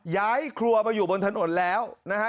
ย้ายครัวมาอยู่บนถนนแล้วนะฮะ